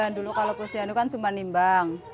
semakin banyak kemajuan dulu kalau posyandu kan cuma nimbang